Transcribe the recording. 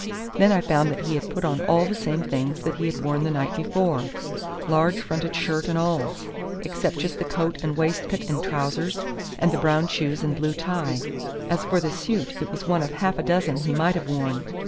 Then I found that he had put on all the same things that he had worn the night before large fronted shirt and all except just the coat and waistcoat and trousers, and the brown shoes and blue tie. As for the suit, it was one of half a dozen he might have worn.